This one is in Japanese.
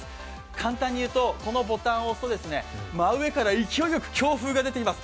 簡単に言うと、このボタンを押すと真上から勢いよく強風が出てきます。